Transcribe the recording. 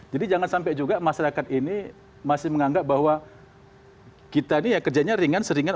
jadi jangan sampai juga masyarakat ini masih menganggap bahwa kita ini kerjanya ringan ringan